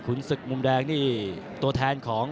คุณศึกมุมแดงนี่ตัวแทนของ